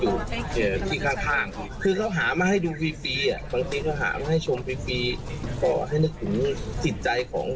แต่ไปอยู่ที่ข้างคือเขาหามาให้ดูฟรีขุมพี่จริง